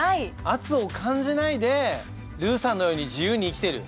圧を感じないでルーさんのように自由に生きてる。